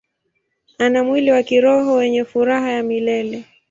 Ana mwili wa kiroho wenye furaha ya milele.